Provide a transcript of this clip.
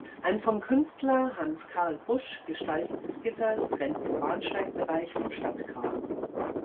Ein vom Künstler Hans Karl Busch gestaltetes Gitter trennt den Bahnsteigbereich vom Stadtgraben.